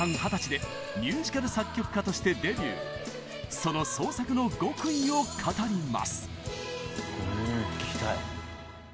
その創作の極意を語ります。